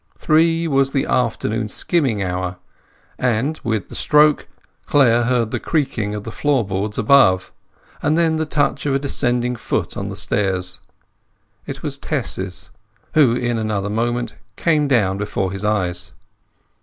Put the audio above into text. Three was the afternoon skimming hour; and, with the stroke, Clare heard the creaking of the floor boards above, and then the touch of a descending foot on the stairs. It was Tess's, who in another moment came down before his eyes.